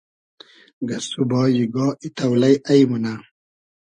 گئسسوبای گا ای تۆلݷ اݷ مونۂ